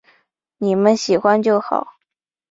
妳们喜欢就好